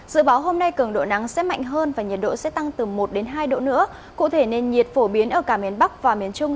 dự báo hôm nay cường độ nắng sẽ mạnh hơn và nhiệt độ sẽ tăng từ một hai độ nữa cụ thể nền nhiệt phổ biến ở cả miền bắc và miền trung